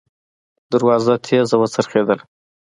دروازه تېزه وڅرخېدله.